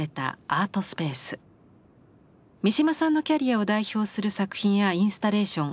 三島さんのキャリアを代表する作品やインスタレーション